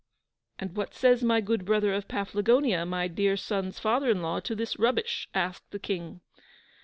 'And what says my good brother of Paflagonia, my dear son's father in law, to this rubbish?' asked the King.